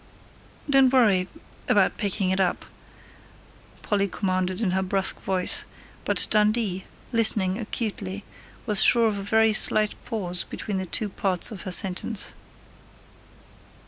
"Don't worry about picking it up," Polly commanded in her brusque voice, but Dundee, listening acutely, was sure of a very slight pause between the two parts of her sentence.